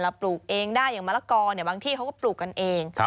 ปลูกเองได้อย่างมะละกอบางที่เขาก็ปลูกกันเอง